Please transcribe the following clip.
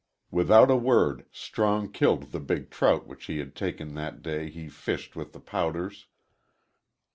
Without a word Strong killed the big trout which he had taken that day he fished with the pouters.